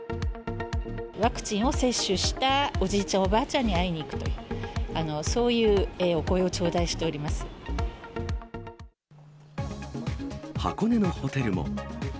ワクチンを接種したおじいちゃん、おばあちゃんに会いに行くと、そういうお声を頂戴しており箱根のホテルも。